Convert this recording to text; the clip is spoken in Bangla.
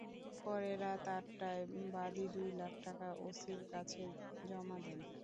পরে রাত আটটায় বাদী দুই লাখ টাকা ওসির কাছে জমা দেন।